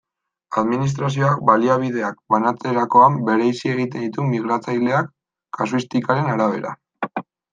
Administrazioak baliabideak banatzerakoan bereizi egiten ditu migratzaileak, kasuistikaren arabera.